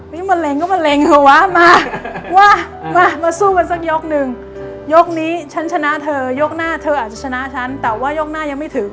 นี่มะเร็งก็มะเร็งเหรอวะมาวะมามาสู้กันสักยกหนึ่งยกนี้ฉันชนะเธอยกหน้าเธออาจจะชนะฉันแต่ว่ายกหน้ายังไม่ถึง